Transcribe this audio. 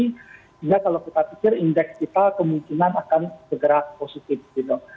sehingga kalau kita pikir indeks kita kemungkinan akan bergerak positif gitu